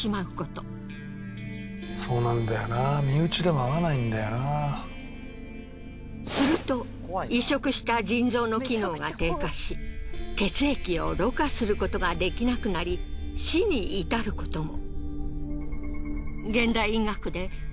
そうなんだよなすると移植した腎臓の機能が低下し血液をろ過することが出来なくなり死に至ることも。